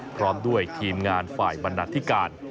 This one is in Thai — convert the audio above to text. พร้อมด้วยทีมงานฝ่ายบรรณาธิการ